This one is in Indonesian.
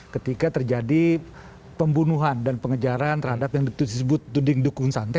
ketika terjadi pembunuhan dan pengejaran terhadap yang disebut duding dukunsi